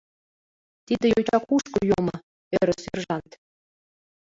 Тиде йоча кушко йомо? — ӧрӧ сержант.